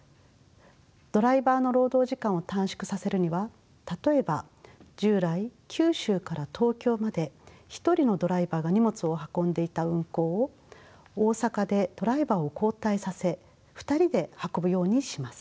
ドライバーの労働時間を短縮させるには例えば従来九州から東京まで１人のドライバーが荷物を運んでいた運行を大阪でドライバーを交代させ２人で運ぶようにします。